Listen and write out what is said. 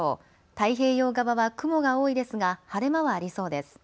太平洋側は雲が多いですが晴れ間はありそうです。